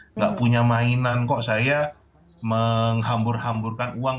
nggak punya mainan kok saya menghambur hamburkan uang